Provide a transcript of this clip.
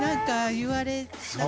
言われたの？